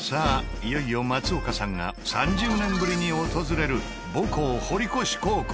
いよいよ松岡さんが３０年ぶりに訪れる母校堀越高校。